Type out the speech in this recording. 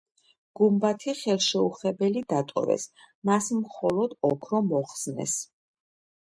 გუმბათი ხელშეუხებელი დატოვეს, მას მხოლოდ ოქრო მოხსნეს.